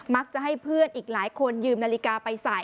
จะให้เพื่อนอีกหลายคนยืมนาฬิกาไปใส่